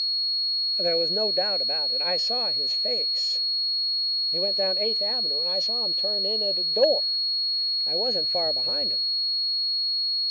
There was no doubt about it: I saw his face. He went down Eighth Avenue, and I saw him turn in at a door. I wasn't far behind him.